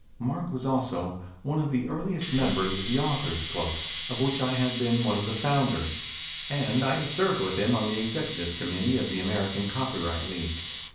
Mark was also one of the earliest members of the Authors Club, of which I had been one of unders; and I served with him on the ex ecutive committee of the American Copyright League.